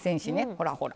ほらほら。